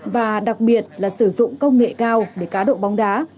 và đặc biệt là sử dụng công nghệ cao để cá độ bóng đá